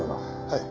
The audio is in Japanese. はい。